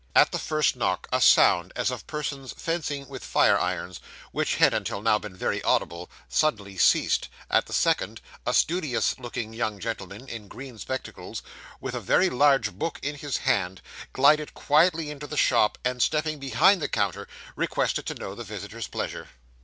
At the first knock, a sound, as of persons fencing with fire irons, which had until now been very audible, suddenly ceased; at the second, a studious looking young gentleman in green spectacles, with a very large book in his hand, glided quietly into the shop, and stepping behind the counter, requested to know the visitor's pleasure.